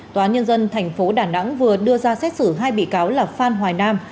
tòa nhân dân thành phố đà nẵng vừa đưa ra xét xử hai bị cáo là phan hoài nam